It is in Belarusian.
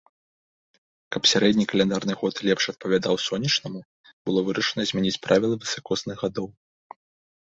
Каб сярэдні каляндарны год лепш адпавядаў сонечнаму, было вырашана змяніць правіла высакосных гадоў.